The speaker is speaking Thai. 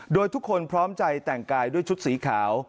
โดยทุกคนพร้อมใจแต่งกายด้วยชุดสีขาว